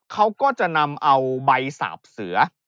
เขาก็จะนำเอาใบสาบเสือ